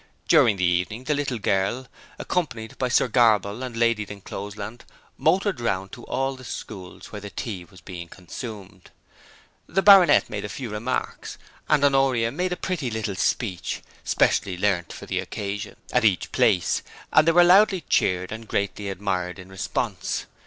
During the evening the little girl, accompanied by Sir Graball and Lady D'Encloseland, motored round to all the schools where the tea was being consumed: the Baronet made a few remarks, and Honoria made a pretty little speech, specially learnt for the occasion, at each place, and they were loudly cheered and greatly admired in response.